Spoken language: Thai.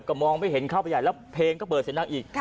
ก็มองไม่เห็นเข้าไปใหญ่แล้วเพลงก็เปิดเสียงดังอีก